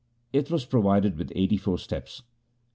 It was provided with eighty four steps.